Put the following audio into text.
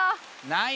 ない？